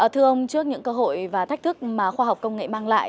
thưa ông trước những cơ hội và thách thức mà khoa học công nghệ mang lại